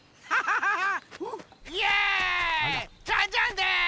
ジャンジャンです！